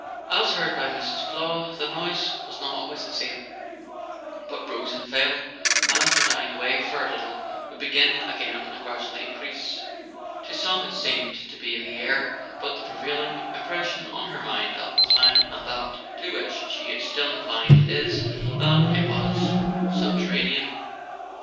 As heard by Mrs. Clow, the noise was not always the same, "but rose and fell, and after dying away for a little would begin again and gradually increase. IOC Letters from Victorian Pioneers. To some it seemed to be in the air, but the prevailing impres sion on her mind at the time, and that to which she is still inclined, is, that it was subterranean.